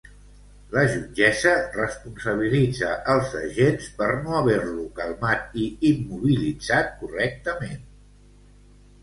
La jutgessa responsabilitza els agents per no haver-lo calmat i immobilitzat correctament.